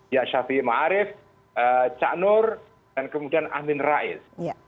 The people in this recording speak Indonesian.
ya shafi'i ma'arif cak nur dan kemudian amin rais